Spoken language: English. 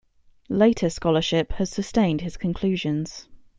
Later scholarship has sustained his conclusions.